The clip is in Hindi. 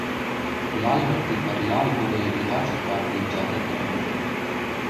लालबत्ती पर लाल हो गए बिहार सरकार के ज्यादातर मंत्री